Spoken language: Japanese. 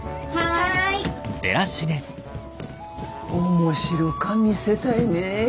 面白か店たいね。